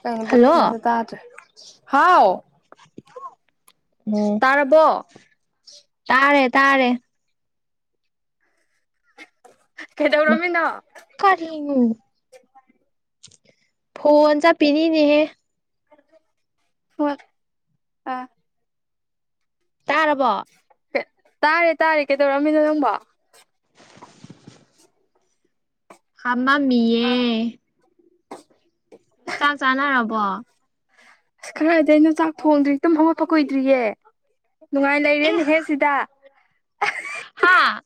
[unintelligible] hello ꯀꯩꯅꯅꯣꯗ ꯇꯥꯖ ꯍꯥꯎ ꯎꯝ ꯇꯥꯔꯕꯣ ꯇꯥꯔꯦ ꯇꯥꯔꯦ ꯃꯥ ꯀꯩꯗꯧꯔꯝꯃꯤꯅꯣ ꯀꯔꯤꯅꯣ ꯐꯣꯟ ꯆ ꯄꯤꯅꯤꯅꯦꯍꯦ ꯐꯠ ꯑꯥ ꯇꯥꯔꯔꯕꯣ ꯇꯥꯔꯦ ꯇꯥꯔꯦ ꯀꯩꯗꯧꯔꯛꯝꯃꯤꯅꯣ ꯅꯪꯕ ꯊꯃꯃꯤꯌꯦꯦ ꯋꯥ ꯑꯁ ꯈꯔꯗꯤ ꯑꯩꯅ ꯆꯥꯛ ꯊꯣꯡꯗ꯭ꯔꯤꯈꯤꯛꯇꯝ ꯍꯧꯒꯠꯄ ꯀꯨꯏꯗ꯭ꯔꯤꯌꯦ ꯅꯨꯡꯉꯥꯏ ꯂꯩꯔꯦꯅꯦꯍꯦ ꯁꯤꯗ ꯍꯥꯥ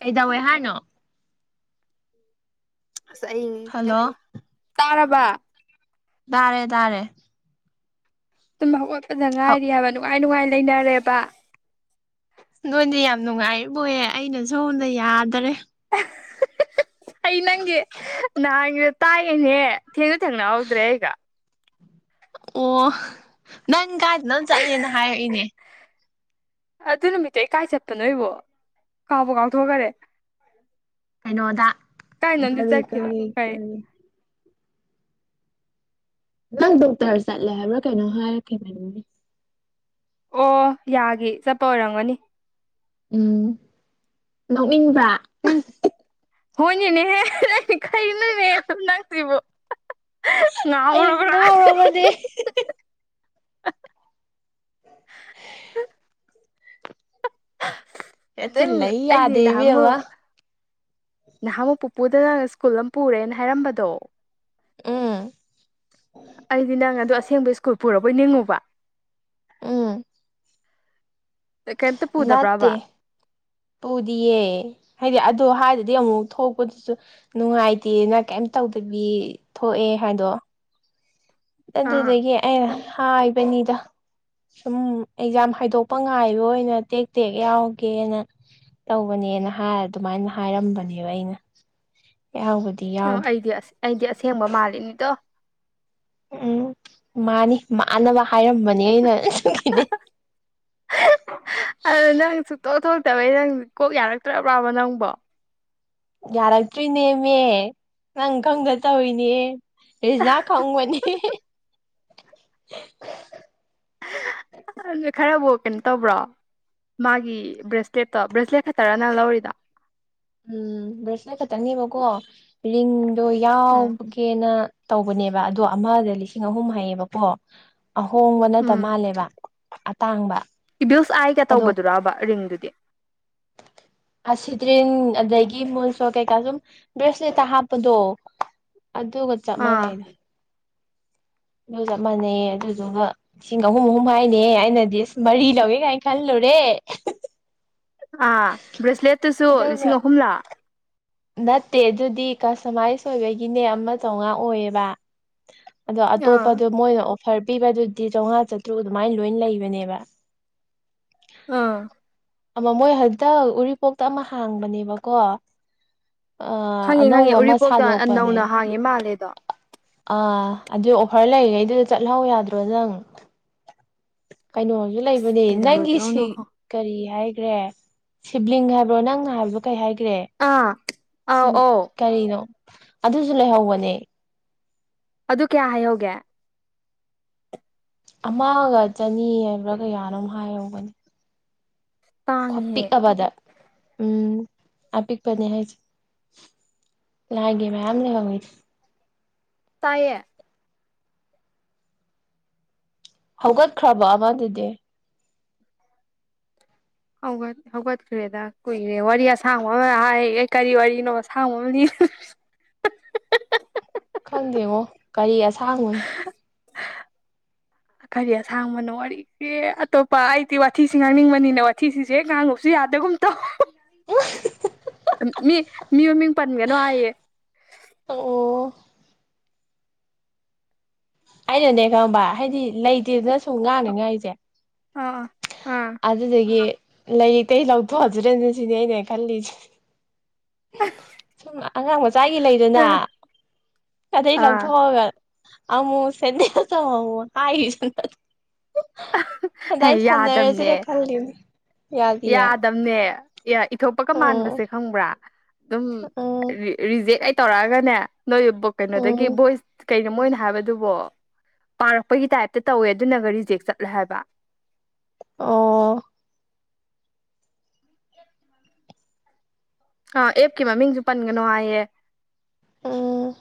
ꯀꯩꯗꯧꯋꯏ ꯍꯥꯏꯥꯟꯅꯣ ꯑꯁ ꯑꯅ ꯍꯜꯂꯣ ꯇꯥꯔꯕ ꯇꯥꯔꯦ ꯇꯥꯔꯦ ꯑꯗꯨꯨꯝ ꯍꯧꯒꯠꯄꯗ ꯍꯧ ꯉꯥꯏꯔꯤ ꯍꯥꯏꯕ ꯅꯨꯡꯉꯥꯏ ꯅꯨꯡꯉꯥꯏ ꯂꯩꯅꯔꯦꯕ ꯅꯣꯏꯗꯤ ꯌꯥꯝ ꯅꯨꯡꯉꯥꯏꯔꯤꯕꯌꯦ ꯑꯩꯅ ꯁꯣꯝꯗ ꯌꯥꯗꯔꯦ ꯑꯩ ꯅꯪꯒꯤ ꯅꯍꯥꯟꯒꯤꯗ ꯇꯥꯏꯌꯦꯅꯦ ꯊꯦꯡꯅ ꯊꯦꯡꯅꯍꯧꯗ꯭ꯔꯦ ꯑꯩꯒ ꯑꯣ ꯅꯪ ꯀꯥꯏꯗ ꯅꯪ ꯆꯠꯂꯦꯅ ꯍꯥꯏꯔꯛꯏꯅꯦ ꯑꯗꯨ ꯅꯨꯃꯤꯠꯇꯣ ꯏ ꯀꯥꯏ ꯆꯠꯄ ꯅꯣꯏꯕꯣ ꯀꯥꯎꯕ ꯀꯥꯎꯊꯣꯛꯈꯔꯦ ꯀꯩꯅꯣꯗ ꯀꯥꯏꯅꯣꯝꯗꯤ ꯀꯔꯤ ꯆꯠꯈꯤꯕ ꯀꯔꯤ ꯀꯔꯤ ꯅꯪ ꯗꯣꯛꯇꯔ ꯆꯠꯂꯦ ꯍꯥꯏꯕ꯭ꯔꯥ ꯀꯩꯅꯣ ꯍꯥꯏꯔꯛꯈꯤꯅꯦ ꯑꯣ ꯌꯥꯒꯦ ꯆꯠꯄ ꯑꯣꯏꯔꯝꯒꯅꯤ ꯎꯝ ꯅꯣꯛꯅꯤꯡꯕ꯭ꯔꯥ ꯍꯣꯏꯅꯤꯅꯦꯍꯦ ꯀꯅꯅꯦ ꯑꯗꯨꯝ ꯅꯪꯁꯤ꯭ꯔꯤꯕꯣ ꯑꯩ ꯅꯔ ꯃꯗꯦ ꯍꯦꯛꯇ ꯅꯪ ꯂꯩ ꯑꯩꯗꯤ ꯌꯥꯗꯦ ꯏꯕꯦꯝꯃ ꯅꯍꯥꯟꯃꯨꯛ ꯅꯍꯥ ꯃꯛꯄ ꯄꯨꯄꯨꯗ ꯅꯪ ꯁ꯭ꯀꯨꯜ ꯑꯃ ꯄꯨꯔꯦꯅ ꯍꯥꯏꯔꯝꯕꯗꯣ ꯎꯝ ꯑꯩꯗꯤ ꯅꯪ ꯑꯗꯨ ꯑꯁꯦꯡꯕ ꯁ꯭ꯀꯨꯜ ꯄꯨꯔꯕꯣꯏ ꯅꯤꯡꯉꯨꯕ ꯎꯝ ꯀꯩꯝꯇ ꯅꯠꯇ ꯄꯨꯗꯕ꯭ꯔꯕ ꯄꯨꯗꯤꯦ ꯍꯥꯏꯗꯤ ꯑꯣ ꯍꯥꯏꯔꯗꯤ ꯑꯃꯨꯛ ꯊꯣꯛꯄꯗꯨꯁꯨ ꯅꯨꯡꯉꯥꯏꯇꯦꯅ ꯀꯩꯝ ꯇꯧꯗꯕꯤ ꯊꯣꯛꯑꯦ ꯍꯥꯏꯗꯣ ꯑꯥ ꯑꯗꯨꯗꯒꯤ ꯑꯩꯅ ꯍꯥꯏꯕꯅꯤꯗ ꯁꯨꯝ ꯑꯦꯛꯖꯥꯝ ꯍꯥꯏꯗꯣꯛꯄ ꯉꯥꯏꯕ ꯑꯣꯏꯅ ꯇꯦꯛ ꯇꯦꯛ ꯌꯥꯎꯒꯦꯅ ꯇꯧꯕꯅꯦꯅ ꯍꯥꯏ ꯑꯗꯨꯃꯥꯏꯅ ꯍꯥꯏꯔꯝꯕꯅꯦꯕ ꯑꯩꯅ ꯌꯥꯎꯕꯗꯤ ꯑꯣ ꯌꯥꯎꯗꯦ ꯑꯩꯗꯤ ꯑꯁ ꯑꯩꯗꯤ ꯑꯁꯦꯡꯕ ꯃꯥꯜꯂꯤꯅꯤꯗꯣ ꯎꯝ ꯃꯥꯅꯤ ꯃꯥꯅꯕ ꯍꯥꯏꯔꯝꯕꯅꯤ ꯑꯩꯅ ꯀꯅꯦ ꯇꯣꯛ ꯊꯣꯛꯇꯕꯩ ꯅꯪ ꯀꯣꯛ ꯌꯥꯔꯛꯇ꯭ꯔꯕ꯭ꯔꯥꯕ ꯅꯪꯕꯣ ꯌꯥꯔꯛꯇꯣꯏ ꯅꯦꯝꯃꯦ ꯅꯪ ꯈꯪꯗ ꯇꯧꯅꯦ ꯏꯁꯅꯥ ꯈꯥꯎꯕꯅꯤ ꯑꯗꯨ ꯈꯔꯕꯨ ꯀꯩꯅꯣ ꯇꯧꯕ꯭ꯔꯣ ꯃꯥꯒꯤ ꯕ꯭ꯔꯦꯁꯂꯦꯠꯇꯣ ꯕ꯭ꯔꯦꯁꯂꯦꯠ ꯈꯛꯇꯔ ꯅꯪ ꯂꯧꯔꯤꯗ ꯎꯝ ꯕ꯭ꯔꯦꯁꯂꯦꯠ ꯈꯛꯇꯅꯦꯕꯀꯣ ꯔꯤꯡꯗꯣ ꯌꯥꯎꯕꯒꯦꯅ ꯇꯧꯕꯅꯦꯕ ꯑꯗꯣ ꯑꯃꯗ ꯂꯤꯁꯤꯡ ꯑꯍꯨꯝ ꯍꯥꯏꯌꯦꯕꯀꯣ ꯑꯍꯣꯡꯕ ꯅꯠꯇ ꯎꯝ ꯃꯥꯜꯂꯦꯕ ꯑꯇꯥꯡꯕ ꯏꯕꯤꯜꯁ ꯑꯥꯏꯒ ꯑꯗꯣ ꯇꯧꯕꯗꯨꯔꯕ ꯔꯤꯡꯗꯨꯗꯤ ꯑꯁꯤꯇ꯭ꯔꯤꯟ ꯑꯗꯒꯤ ꯃꯨꯜꯁꯨꯣ ꯀꯩꯀꯥ ꯁꯨꯝ ꯕ꯭ꯔꯦꯁꯂꯦꯠꯇ ꯍꯥꯞꯄꯗꯣ ꯑꯗꯨꯒ ꯆꯞ ꯑꯥ ꯃꯥꯟꯅꯩꯅ ꯂ ꯆꯞ ꯃꯥꯟꯅꯩ ꯑꯗꯨꯗꯨꯒ ꯂꯤꯁꯤꯡ ꯑꯍꯨꯝ ꯑꯍꯨꯝ ꯍꯥꯏꯅꯦ ꯑꯩꯅꯗꯤ ꯃꯔꯤ ꯂꯧꯋꯦ ꯀꯥꯏꯅ ꯈꯜꯂꯨꯔꯦ ꯑꯦ ꯑꯥ ꯕ꯭ꯔꯦꯁꯂꯦꯠꯇꯁꯨ ꯂꯤꯁꯤꯡ ꯑꯍꯨꯝꯂꯥ ꯅꯠꯇꯦ ꯑꯗꯨꯗꯤ ꯀꯁꯇꯃꯥꯏꯁ ꯑꯣꯏꯕꯒꯤꯅꯦ ꯑꯃ ꯆꯥꯃꯉꯥ ꯑꯣꯏꯌꯦꯕ ꯑꯗꯣ ꯑꯥ ꯑꯇꯣꯞꯄꯗꯣ ꯃꯣꯏꯅ ꯐꯔ ꯄꯤꯕ ꯑꯗꯨꯗꯤ ꯆꯥꯝꯃꯉꯥ ꯆꯥꯇ꯭ꯔꯨꯛ ꯑꯗꯨꯃꯥꯏ ꯂꯣꯏꯅ ꯂꯩꯕꯅꯦꯕ ꯑꯥ ꯑꯃ ꯃꯣꯏ ꯍꯟꯗꯛꯇꯛ ꯎꯔꯤꯄꯣꯛꯇ ꯑꯃ ꯍꯥꯡꯕꯅꯦꯕꯀꯣ ꯑꯥ ꯈꯪꯉꯦ ꯈꯪꯉꯦ ꯑꯅꯧꯕ ꯑꯃ ꯎꯔꯤꯄꯣꯛꯇ ꯁꯥꯗꯣꯛꯄꯅꯦ ꯅꯧꯅ ꯍꯥꯡꯉꯦ ꯃꯥꯜꯂꯦꯗꯣ ꯑꯥ ꯑꯗꯨ ꯑꯣꯐꯔ ꯂꯩꯔꯤꯈꯩꯗꯨꯗ ꯆꯠꯍꯧ ꯌꯥꯗ꯭ꯔꯣ ꯅꯪ ꯀꯩꯅꯣꯁꯨ ꯑꯁ ꯂꯩꯕꯅꯦ ꯅꯪꯒꯤ ꯁꯤ ꯀꯩꯗꯧꯔꯨꯗꯧꯅꯣ ꯀꯔꯤ ꯍꯥꯏ ꯦ ꯁꯤꯕ꯭ꯂꯤꯡ ꯍꯥꯏꯕ꯭ꯔꯣ ꯅꯪꯅ ꯍꯥꯏꯕ꯭ꯔꯣ ꯀꯩ ꯍꯥꯏ ꯀ꯭ꯔꯦ ꯑꯥ ꯁꯤ ꯑꯧ ꯑꯧ ꯀꯔꯤꯅꯣ ꯑꯗꯨꯁꯨ ꯂꯩꯍꯧꯕꯅꯦ ꯑꯗꯨ ꯀꯌꯥ ꯍꯥꯏꯍꯧꯒꯦ ꯑꯃꯒ ꯆꯅꯤ ꯍꯥꯏꯕ꯭ꯔꯥ ꯀꯌꯥꯅꯣ ꯍꯥꯏꯍꯧꯕꯅꯤ ꯇꯥꯡꯉꯤꯍꯦ ꯈꯄꯤꯛꯕꯗ ꯎꯝ ꯑ ꯄꯤꯛꯄꯅꯤ ꯍꯥꯏ ꯂꯒꯦ ꯃ ꯑ ꯂꯩ ꯋꯥꯉꯣꯏ ꯇꯌꯦ ꯍꯧꯒꯠꯈ꯭ꯔꯕ ꯑꯃꯗꯨꯗꯤ ꯍꯧꯒꯠꯈ꯭ꯔꯦꯗ ꯀꯨꯏꯔꯦ ꯋꯥꯔꯤ ꯑꯁꯥꯡꯕ ꯑꯃ ꯍꯥꯏ ꯑꯦ ꯀꯔꯤ ꯋꯥꯔꯤꯅꯣ ꯑꯁꯥꯡꯕ ꯑꯃ ꯈꯪꯗꯦꯉꯣ ꯀꯔꯤ ꯑꯁꯥꯡꯕ [unintelligible] ꯀꯔꯤ ꯑꯁꯥꯡꯕꯅꯣ ꯋꯥꯔꯤꯁꯦ ꯑꯇꯣꯞꯄ ꯑꯩꯗꯤ ꯋꯥꯊꯤꯁꯤ ꯉꯥꯡꯅꯤꯡꯕꯅꯤꯅ ꯋꯥꯊꯤꯁꯤꯁ ꯍꯦꯛ ꯉꯥꯡꯉꯨꯁꯤ ꯌꯥꯗꯒꯨꯝ ꯇ ꯃꯤ ꯃꯤ ꯃꯃꯤꯡ ꯄꯟꯒꯅꯣ ꯍꯥꯏꯌꯦ ꯑꯣ ꯑꯩꯅꯅꯦ ꯈꯪꯕ ꯍꯥꯏꯗꯤ ꯂꯩꯇꯦꯗꯅ ꯁꯨꯝ ꯉꯥꯡꯅꯤꯉꯥꯏ ꯑꯩꯁꯦ ꯑꯥ ꯑꯥ ꯑꯗꯨꯗꯗꯒꯤ ꯂꯩꯔꯤꯇꯩ ꯂꯧꯊꯣ ꯍꯧꯖꯔꯦꯅꯦ ꯁꯤꯅꯦ ꯑꯅꯦ ꯈꯜꯂꯤꯁꯦ ꯁꯨꯝ ꯑꯉꯥꯡ ꯃꯆꯥꯒꯤ ꯑꯥ ꯂꯩꯗꯅ ꯑꯥ ꯀꯗꯩ ꯑꯥ ꯂꯧꯊꯣꯛꯑꯒ ꯑꯃꯃꯨ ꯁꯗ ꯍꯥꯏꯁ ꯍ ꯌꯥꯗꯝꯕꯅꯦ ꯌꯥꯗꯤꯌꯦ ꯌꯥꯗꯝꯗꯝꯅꯦ ꯑꯦ ꯏꯊꯣꯄꯀ ꯎꯝ ꯃꯥꯟꯕꯁꯦ ꯈꯪꯕ꯭ꯔꯥ ꯑꯗꯨꯝ ꯎꯝ ꯔꯤꯖꯦꯛ ꯑꯩ ꯇꯧꯔꯛꯑꯒꯅꯦ ꯅꯣꯏ ꯀꯩꯅꯣꯗꯒꯤ ꯎꯝ ꯚꯣꯏꯁ ꯀꯩꯅꯣ ꯃꯣꯏꯅ ꯍꯥꯏꯕꯗꯨꯕꯣ ꯄꯥꯔꯛꯄꯒꯤ ꯇꯥꯏꯞꯇ ꯇꯧꯋꯦ ꯑꯗꯨꯅꯒ ꯔꯤꯖꯦꯛ ꯆꯠ ꯂꯩꯦꯕ ꯑꯣ ꯑ ꯑꯦꯞꯀꯤ ꯃꯃꯤꯡꯁꯨ ꯄꯟꯒꯅꯣ ꯍꯥꯏꯌꯦꯦ ꯎꯝ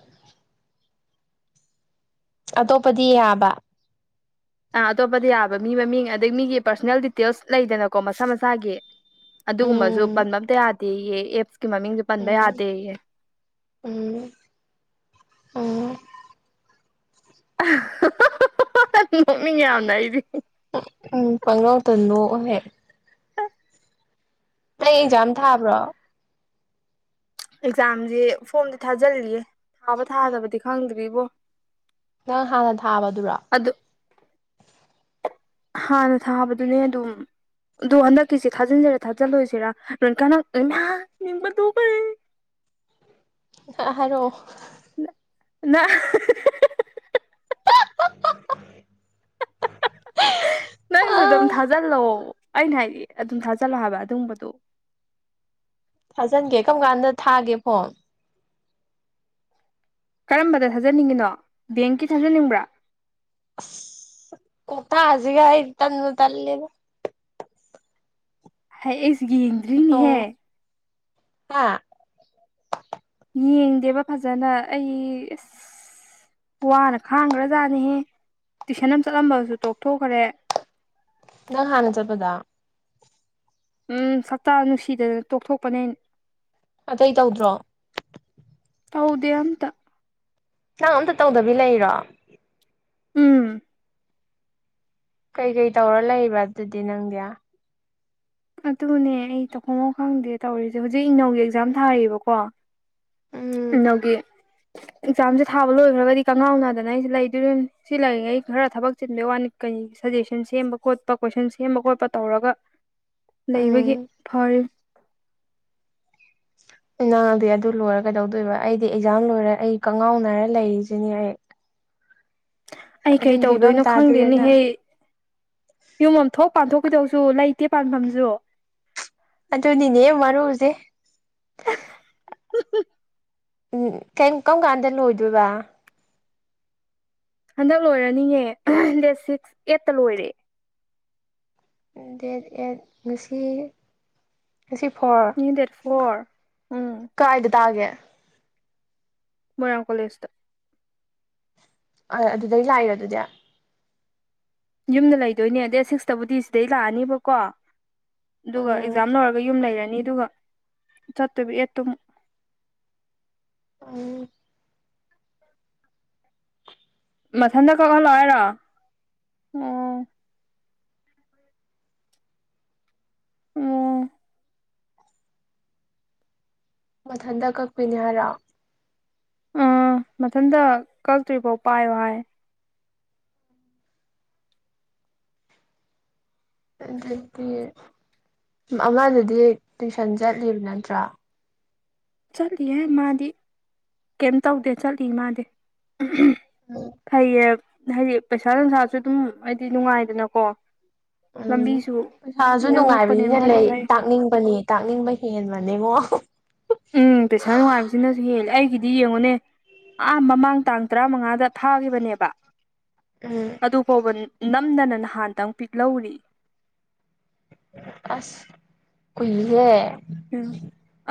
ꯑꯇꯣꯞꯄꯗꯤ ꯌꯥꯕ ꯑꯥ ꯑꯇꯣꯞꯄꯗ ꯌꯥꯕ ꯃꯤ ꯃꯃꯤꯡ ꯑꯗꯩ ꯃꯤꯒꯤ ꯄꯥꯔꯁꯣꯅꯦꯜ ꯗꯤꯇꯦꯜꯁ ꯂꯩꯗꯅꯀꯣ ꯃꯁꯥ ꯃꯁꯥꯒꯤ ꯑꯗꯨꯒꯨꯝꯕꯁꯨ ꯎꯝ ꯄꯟꯕ ꯑꯝꯇ ꯌꯥꯗꯦ ꯑꯦ ꯑꯦꯞ ꯃꯃꯤꯡꯁꯦ ꯄꯟꯕ ꯎꯝ ꯌꯥꯗꯦ ꯎꯝ ꯎꯝ ꯅꯣꯛꯅꯤꯡ ꯌꯥꯝꯅ ꯑꯩꯗꯤ ꯎꯝ ꯐꯉꯥꯎ ꯇꯅꯣ ꯍꯍꯦ ꯅ ꯑꯦꯡꯖꯥꯝ ꯊꯥꯕ꯭ꯔꯣ ꯑꯦꯛꯖꯥꯝꯁꯦ ꯐꯣꯝꯗꯤ ꯊꯥꯖꯤꯜꯂꯤꯌꯦ ꯊꯥꯕ ꯊꯥꯗꯕꯗꯤ ꯈꯪꯗ꯭ꯔꯤꯕꯣ ꯅꯪ ꯍꯥꯟꯅ ꯊꯥꯕꯗꯨꯔꯣ ꯑꯗꯨ ꯍꯥꯟꯅ ꯊꯥꯕꯗꯨꯅꯦ ꯑꯗꯨꯝ ꯑꯗꯨ ꯍꯟꯗꯛꯀꯤꯁꯤ ꯊꯥꯖꯤꯟꯖꯔꯥ ꯊꯥꯖꯤꯜꯂꯨꯁꯤꯔ ꯅ ꯀꯅꯥ ꯑꯔꯣ ꯅ ꯅꯪꯁꯨ ꯑꯗꯨꯝ ꯊꯥꯖꯤꯜꯂꯣ ꯑꯩꯅ ꯍꯥꯏꯗꯤ ꯑꯗꯨꯝ ꯊꯥꯖꯤꯜꯂꯛꯑꯕ ꯑꯗꯨꯒꯨꯝꯝꯕꯗꯨꯣ ꯊꯥꯖꯤꯟꯒꯦ ꯀꯔꯝ ꯀꯥꯟꯗ ꯊꯥꯒꯦ ꯐꯣꯟ ꯀꯔꯝꯕꯗ ꯊꯥꯖꯅꯤꯡꯉꯤꯅꯣ ꯕꯦꯡꯀꯤ ꯊꯥꯖꯅꯤꯡꯕ꯭ꯔꯥ ꯀꯊ ꯑꯖꯤ ꯀꯥ ꯇꯅ ꯇꯂꯗ ꯍꯥꯏ ꯑꯦꯁ ꯌꯦꯡꯗ꯭ꯔꯤꯅꯦꯍꯦ ꯑꯥ ꯌꯦꯡꯗꯦꯕ ꯐꯖꯅ ꯑꯩ ꯑꯁ ꯋꯥꯅ ꯈꯥꯡꯈ꯭ꯔꯖꯥꯠꯅꯤꯍ ꯇꯨꯏꯁꯟ ꯑꯃ ꯆꯠꯂꯝꯕꯁꯨ ꯇꯣꯛꯊꯣꯛꯈ꯭ꯔꯦ ꯅꯪ ꯍꯥꯟꯅ ꯆꯠꯄꯗ ꯎꯝ ꯁꯛꯛꯇꯇꯥ ꯅꯨꯡꯁꯤꯗꯗꯅ ꯇꯣꯛꯊꯣꯛꯄꯅꯦ ꯑꯇꯩ ꯇꯧꯗ꯭ꯔꯣ ꯍꯥꯎꯗꯦ ꯑꯇ ꯅꯪ ꯑꯝꯇ ꯇꯧꯗꯕꯤ ꯂꯩꯔꯣ ꯎꯝ ꯀꯩꯀꯩ ꯇꯧꯔ ꯂꯩꯕ ꯑꯗꯨꯗꯤ ꯅꯪꯗꯤ ꯑꯗꯨꯅꯦ ꯑꯩ ꯇꯧꯐꯝꯃꯥꯎ ꯈꯪꯗꯦ ꯇꯧꯔꯤꯁꯦ ꯍꯧꯖꯤꯛ ꯏꯅꯧꯒꯤ ꯑꯦꯛꯖꯥꯝ ꯊꯥꯔꯤꯕꯀꯣ ꯎꯝ ꯅꯒꯦ ꯑꯦꯛꯖꯥꯝꯁꯦ ꯊꯥꯕ ꯂꯣꯏꯈ꯭ꯔꯒꯗꯤ ꯀꯪꯉꯥꯎꯅꯅꯥꯗꯅ ꯑꯩꯁꯦ ꯂꯩꯗꯣꯏꯅꯤ ꯁꯤ ꯂꯩꯔꯤꯉꯩ ꯈꯔ ꯊꯕꯛ ꯆꯤꯟꯕꯩ ꯋꯥꯅꯤ ꯀꯩ ꯁꯖꯦꯁꯟ ꯁꯦꯝꯕ ꯈꯣꯠꯄ ꯀꯣꯏꯁꯟ ꯁꯦꯝꯕ ꯈꯣꯠꯄ ꯇꯧꯔꯒ ꯎꯝ ꯂꯩꯕꯒꯤ ꯐꯔ ꯅꯪ ꯑꯗꯨꯏ ꯑꯗꯨ ꯂꯣꯏꯔ ꯀꯩꯗꯧꯗꯣꯏꯕ ꯑꯩꯗꯤ ꯑꯦꯛꯖꯥꯝ ꯂꯣꯏꯔꯦ ꯑꯩ ꯀꯪꯉꯥꯎꯅꯔ ꯂꯩꯔꯤꯁꯤꯅꯦ ꯑꯩ [inaudible] ꯑꯩ ꯀꯩ ꯑꯗꯨꯒꯤ ꯐꯤꯕꯝ ꯇꯧꯗꯣꯏꯅꯣ ꯇꯥꯗꯣꯏꯔꯅ ꯈꯪꯗꯦꯅꯦꯍꯦ ꯌꯨꯝ ꯑ ꯊꯣꯛ ꯄꯥꯟ ꯊꯣꯛꯣꯛꯈꯤꯗꯧꯁꯨ ꯂꯩꯇ ꯇꯦ ꯄꯥꯟꯐꯝꯁꯨ ꯑꯗꯨ ꯅꯅꯦ ꯃꯔꯔꯨꯁꯦ [inaudible] ꯎꯝ ꯀꯩ ꯀꯔꯝ ꯀꯥꯟꯗ ꯂꯣꯏꯗꯣꯏꯕ ꯍꯟꯗꯛ ꯂꯣꯏꯔꯅꯤꯉ ꯗꯦꯠ ꯁꯤꯛꯁ ꯑꯦꯠꯇ ꯂꯣꯏꯔꯦ ꯠ ꯉꯁꯤ ꯉꯁꯤ ꯐꯣꯔ ꯗꯦꯠ ꯐꯣꯔ ꯎꯝ ꯀꯥꯏꯗ ꯇꯥꯒꯦ ꯃꯣꯏꯔꯥꯡ ꯀꯂꯦꯖꯇ ꯑ ꯑꯗꯨꯗꯩ ꯂꯥꯛꯏꯣ ꯑꯗꯨꯗꯤ ꯌꯨꯝꯗ ꯂꯩꯗꯣꯏꯅꯦ ꯗꯦ ꯁꯤꯛꯁꯇꯕꯨꯗꯤ ꯁꯤꯗꯩ ꯂꯥꯛꯑꯅꯦꯕꯀꯣ ꯑꯗꯨꯒ ꯑꯣ ꯑꯦꯛꯖꯥꯝ ꯂꯧꯣꯏꯔꯒ ꯌꯨꯝ ꯂꯩꯔꯅꯤ ꯅꯤ ꯑꯗꯨꯒꯒ ꯆꯠꯇꯨꯕꯤ ꯑꯦꯠꯇ [unintelligible] ꯑꯥ ꯃꯊꯟꯗ ꯀꯛꯍꯜꯂꯣ ꯍꯥꯏꯔ ꯑꯣ ꯎꯝ ꯃꯊꯟꯇ ꯀꯛꯄꯤꯅꯦ ꯍꯥꯏꯔꯣ ꯑꯥ ꯃꯊꯟꯇ ꯀꯛꯇ꯭ꯔꯤꯐꯥꯎ ꯄꯥꯏꯌꯣ ꯍꯥꯏ ꯊꯛꯇꯦ [unintelligible] ꯑꯃꯗꯨꯗꯤ ꯇꯨꯁꯟ ꯆꯠꯂꯤꯕ ꯅꯠꯇ꯭ꯔꯥ ꯆꯠꯂꯤꯍꯦ ꯃꯥꯗꯤ ꯀꯩꯝ ꯇꯧꯗꯦ ꯆꯠꯂꯤ ꯃꯥꯗꯤ ꯐꯩꯌꯦ ꯍꯥꯏꯗꯤ ꯄꯩꯁꯥ ꯅꯨꯡꯁꯥꯁꯨ ꯑꯗꯨꯝ ꯍꯥꯏꯗꯤ ꯅꯨꯡꯉꯥꯏꯗꯅꯀꯣ ꯎꯝ ꯂꯝꯕꯤꯁꯨ ꯄꯩꯁꯥꯁꯨ ꯏꯅꯛ ꯅꯛꯄꯅꯦ ꯅꯨꯡꯉꯥꯏꯕꯅꯤꯅ ꯃꯥꯗꯤ ꯂꯩ ꯐꯩ ꯇꯥꯛꯅꯤꯡꯕꯅꯦ ꯇꯥꯛꯅꯤꯡꯕ ꯍꯦꯟꯕꯅꯦꯉ‌‌ꫭ ꯎꯝ ꯄꯩꯁꯥ ꯅꯨꯡꯉꯥꯏꯕꯁꯤꯅꯁꯨ ꯍꯦꯜꯂꯦ ꯑꯩ ꯑꯩꯒꯤꯗꯤ ꯌꯦꯡꯉꯨꯅꯦ ꯑ ꯃꯃꯥꯡ ꯇꯥꯡ ꯇꯔꯥꯃꯉꯥꯗ ꯐꯥꯈꯤꯕꯅꯦꯕ ꯎꯝ ꯑꯗꯨꯐꯥꯎꯕ ꯅꯝꯗꯅ ꯅꯍꯥꯟꯇ‌ꯪ ꯄꯤꯛ ꯂꯧꯔꯤ ꯑꯁ ꯀꯨꯏꯍ‌ꯦ ꯎꯝ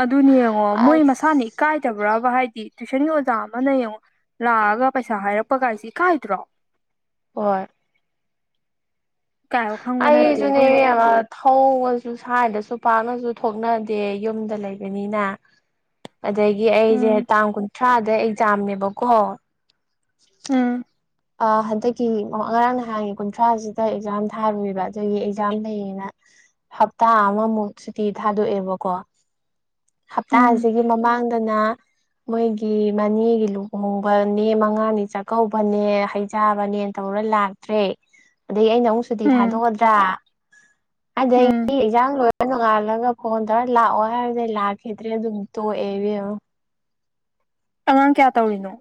ꯑꯗꯨꯅꯦ ꯌꯦꯡꯉꯣ ꯃꯣꯏ ꯑꯁ ꯃꯁꯥꯅꯤ ꯏꯀꯥꯏꯗꯕ ꯗꯕꯔꯥꯕ ꯍꯥꯏꯗꯤ ꯇꯨꯋꯏꯁꯟꯒꯤ ꯑꯣꯖꯥ ꯑꯃꯅ ꯌꯦꯡꯉꯣ ꯂꯥꯛꯑꯒ ꯄꯩꯁꯥ ꯍꯥꯏꯔꯛꯄ ꯀꯥꯏꯁꯤ ꯀꯥꯏꯗ꯭ꯔꯣ ꯍꯣꯏ ꯏꯀꯥꯏꯕ ꯈꯪꯕ ꯅꯠꯇꯦ ꯑꯩꯁꯨꯅꯦ ꯏꯕꯦꯝꯃ ꯏꯕꯤꯝꯃꯥ ꯊꯧꯕꯁꯨ ꯁꯋ꯭ꯥꯎꯗꯁꯨ ꯄꯥꯛꯅꯁꯨ ꯊꯣꯛꯅꯗꯦ ꯌꯨꯝꯗ ꯂꯩꯕꯅꯤꯅ ꯑꯗꯒꯤ ꯑꯩꯁꯦ ꯎꯝ ꯇꯥꯡ ꯀꯨꯟꯊ꯭ꯔꯥꯗ ꯑꯦꯛꯖꯥꯝꯅꯦꯕꯀꯣ ꯎꯝ ꯑꯥ ꯍꯟꯗꯛꯀꯤ ꯉꯔꯥꯡ ꯅꯍꯥꯟꯒꯤ ꯀꯨꯟꯊ꯭ꯔꯥꯁꯤꯗ ꯑꯦꯛꯖꯥꯝ ꯊꯥꯔꯨꯏꯕ ꯑꯗꯨꯒꯤ ꯑꯦꯛꯖꯥꯝ ꯂꯩꯌꯦꯅ ꯍꯞꯇꯥ ꯑꯃꯃꯨꯛ ꯁꯨꯇꯤ ꯊꯥꯗꯣꯛꯑꯦꯕꯀꯣ ꯎꯝ ꯍꯞꯇꯥꯁꯤꯒꯤ ꯃꯃꯥꯡ ꯑꯗꯨꯅ ꯃꯣꯏꯒꯤ ꯃꯅꯦꯒꯤ ꯂꯨꯍꯣꯡꯕꯅꯦ ꯃꯉꯥꯅꯤ ꯆꯥꯛꯀꯧꯕꯅꯦ ꯍꯩꯖꯥꯕꯅꯦꯅ ꯇꯧꯔ ꯂꯥꯛꯇ꯭ꯔꯦ ꯑꯗꯗꯒꯤ ꯑꯩꯅ ꯑꯃꯨꯛ ꯁꯨꯇꯤ ꯎꯝ ꯊꯥꯗꯣꯛꯑꯗ꯭ꯔꯥ ꯑꯗ ꯎꯝ ꯆꯥꯡ [unintelligible] ꯅꯣꯡꯉꯥꯜꯂꯒ ꯐꯣꯟ ꯇꯧꯔ ꯂꯥꯛꯑꯣ ꯍꯥꯏꯔꯗꯤ ꯂꯥꯛꯈꯤꯗ꯭ꯔꯦ ꯑꯗꯨ ꯇꯣꯛꯑꯦꯕ [inaudible] ꯑꯉꯥꯡ ꯀꯌꯥ ꯇꯧꯔꯤꯅꯣ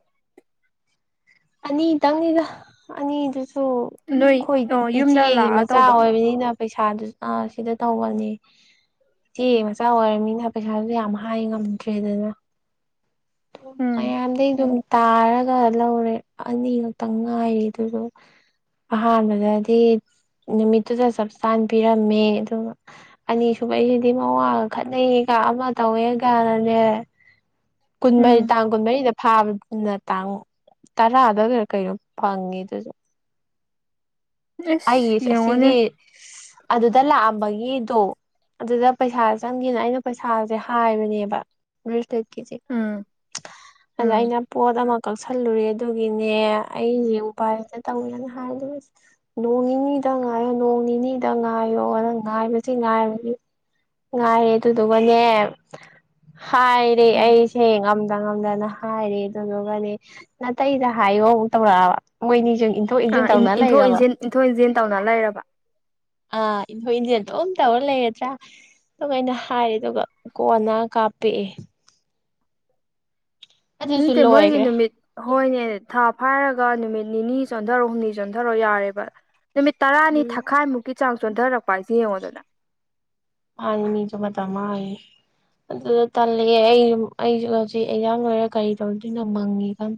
ꯑꯅꯤ ꯇꯪꯅꯤꯗ ꯑꯅꯤ ꯗꯨꯖꯨ ꯁꯨ ꯅꯣꯏ ꯑꯣ ꯑꯩꯈꯣꯏ ꯌꯨꯝꯗ ꯏꯆꯦꯒꯤ ꯂꯥꯛꯑ ꯃꯆꯥ ꯇꯧꯕ ꯑꯣꯏꯕꯅꯤꯅ ꯄꯩꯁꯥꯗꯨ ꯑ ꯁꯤꯗ ꯇꯧꯕꯅꯤ ꯏꯆ‌ꯦ ꯃꯆꯥ ꯑꯣꯏꯔꯃꯤꯅ ꯄꯩꯁꯥꯁꯨ ꯌꯥꯝ ꯍꯥꯏ ꯉꯝꯗ꯭ꯔꯦꯗꯅ ꯎꯝ ꯃꯌꯥꯝꯗꯩ ꯑꯗꯨꯝ ꯇꯥꯔꯒ ꯂꯧꯔꯦ ꯑꯅꯤ ꯉꯛꯇꯪ ꯉꯥꯏꯔꯤ ꯑꯗꯨꯁꯨ ꯑꯍꯟꯕꯗꯗꯤ ꯅꯨꯃꯤꯠꯇꯨꯗ ꯆꯞ ꯆꯥꯅ ꯄꯤꯔꯝꯃꯦ ꯑꯗꯨꯒ ꯑꯅꯤꯁꯨꯕ ꯑꯩꯁꯤꯗꯤ ꯃꯋꯥꯒ ꯈꯠꯅꯩꯒ ꯑꯃꯥ ꯇꯌꯦꯒꯅꯅ‌ꯦ ꯀꯨꯟꯃꯔꯤ ꯎꯝ ꯇꯥꯡ ꯀꯨꯟꯃꯔꯤꯗ ꯐꯥꯕꯅ ꯇꯥꯡ ꯇꯔꯥꯗꯒ ꯀꯩꯅꯣ ꯐꯪꯉꯤ ꯑꯗꯨꯁꯨ ꯑꯁ ꯑꯩꯒꯤ ꯌꯦꯡꯉꯣꯅꯦ ꯑꯁꯤꯒꯤ ꯑꯗꯨꯗ ꯂꯥꯛꯑꯝꯕꯒꯤꯗꯣ ꯑꯗꯨꯗ ꯄꯩꯁꯥ ꯆꯪꯒꯦꯅ ꯑꯩꯅ ꯄꯩꯁꯥꯁꯦ ꯍꯥꯏꯕꯅꯦꯕ ꯎꯝ ꯑꯗ ꯎꯝ ꯑꯩꯅ ꯄꫭꯠ ꯑꯃꯥ ꯀꯛꯁꯜꯂꯨꯔꯦ ꯑꯗꯨꯒꯤꯅꯦ ꯑꯩꯁꯦ ꯎꯄꯥꯏꯇ ꯇꯧꯋꯦꯅ ꯍꯥꯏꯔ‌ꯦ ꯑꯗꯨꯒ ꯅꯣꯡ ꯅꯤꯅꯤꯗ ꯉꯥꯏꯌꯣ ꯅꯣꯡ ꯅꯤꯅꯤꯗ ꯉꯥꯏꯌꯣꯅ ꯉꯥꯏꯕꯁꯤ ꯉꯥꯏꯕꯁꯤ ꯉꯥꯏꯔ‌ꯦ ꯑꯗꯨꯗꯨꯒꯅꯦ ꯍꯥꯏꯔꯦ ꯎꯝ ꯑꯩꯁꯦ ꯉꯝꯗ ꯉꯝꯗꯅ ꯍꯥꯏꯔꯦ ꯑꯗꯨꯗꯨꯒꯗꯤ ꯅꯥꯇꯩꯗ ꯍꯥꯏꯌꯣ ꯇꯧꯔꯛꯑꯕ ꯃꯣꯏꯅꯤꯁꯨ ꯏꯟꯊꯣꯛ ꯑꯥ ꯏꯟꯁꯤꯟ ꯇꯧꯅ ꯏꯟꯊꯣꯛ ꯂꯩꯔꯕ ꯏꯟꯁꯤꯟ ꯏꯟꯊꯣꯛ ꯏꯟꯁꯤꯦꯟ ꯇꯧꯅ ꯂꯩꯔꯕ ꯑ ꯏ ꯍꯣꯏꯗꯦꯇ ꯎꯇ ꯑꯣꯂꯦ ꯍꯥꯏ꯭ꯔ ꯑꯗꯨꯒ ꯑꯩꯅ ꯍꯥꯏꯔ ꯑꯗꯨꯒ ꯀꯣꯟꯅ ꯀꯥꯞꯄꯑꯦ ꯅꯠꯇꯦ ꯃꯣꯏꯒꯤ ꯂꯣꯏꯈ꯭ꯔꯦ ꯅꯨꯃꯤꯠ ꯍꯣꯏꯅꯦ ꯊꯥ ꯐꯥꯏꯔꯒ ꯅꯨꯃꯤꯠ ꯅꯤꯅꯤ ꯆꯣꯟꯊꯔꯛ ꯍꯨꯝꯅꯤ ꯆꯣꯟꯊꯔꯛꯣ ꯌꯥꯔꯦꯕ ꯅꯨꯃꯤꯠ ꯇꯔꯥꯅꯤ ꯎꯝ ꯊꯥꯈꯥꯏꯃꯨꯛꯀꯤ ꯆꯥꯡ ꯆꯣꯟꯊꯔꯛꯄ ꯍꯥꯏꯁꯤꯦ ꯌꯦꯡꯉꯣꯗꯅ ꯑ ꯃꯤꯁꯨꯕꯇꯥ ꯃꯥ ꯑꯗꯨꯗ ꯇꯜꯂꯛꯑꯦ ꯑꯩ ꯑꯩꯁꯨ ꯍꯧꯖꯤꯛ ꯑꯖꯥꯡ ꯂꯣꯏꯔꯒ ꯀꯔꯤ ꯇꯧꯗꯣꯏꯅꯣ ꯃꯪꯉꯤ ꯀ [unintelligible]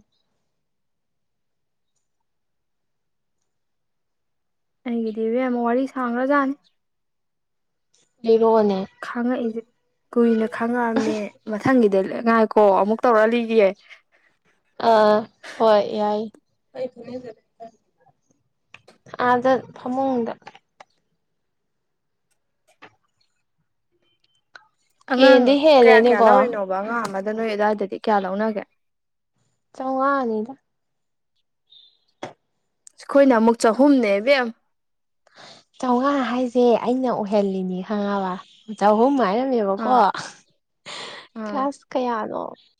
ꯑꯩꯒꯤꯗꯤꯕꯦꯝ ꯋꯥꯔꯤ ꯁꯥꯡꯂ꯭ꯔꯖꯥꯠꯅꯤ ꯂꯤꯔꯛꯑꯣꯅꯦ ꯈꯥꯡꯉꯛꯏꯁꯦ ꯀꯨꯏꯅ ꯈꯥꯡꯉꯛꯑꯝꯅꯦ ꯃꯊꯪꯒꯤꯗ ꯉꯥꯏꯀꯣ ꯑꯃꯨꯛ ꯇꯧꯔꯛ ꯂꯤꯒꯌꯦꯦ ꯑꯥ ꯍꯣꯏ ꯌꯥꯏ ꯑꯥꯗ ꯐꯃꯨꯡꯗ ꯑꯉꯥꯡ ꯍꯦꯟꯗꯤ ꯀꯌꯥ ꯀꯌꯥ ꯍꯦꯜꯂꯦꯅꯦꯀꯣ ꯂꯧꯔꯤꯅꯣꯕ ꯑꯉꯥꯡ ꯑꯃꯗ ꯅꯣꯏ ꯑꯗꯨꯋꯥꯏꯗꯗꯤ ꯀꯌꯥ ꯂꯧꯅꯒꯦ ꯆꯧꯉꯅꯤꯗ ꯑꯩꯈꯣꯏꯅ ꯑꯃꯨꯛ ꯆꯍꯨꯝꯅꯦ ꯕꯦꯝ ꯆꯥꯝꯃꯉꯥ ꯍꯥꯏꯁꯦ ꯑꯩꯅ ꯑꯣꯏꯍꯜꯂꯤꯅꯤ ꯈꯪꯉꯕ ꯆꯍꯨꯝ ꯍꯥꯏꯔ ꯅꯦꯕꯀꯣ ꯑꯥ ꯑꯥ ꯀ꯭ꯂꯥꯁ ꯀꯌꯥꯅꯣ